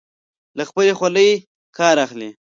له خپلې خولې کار اخلي.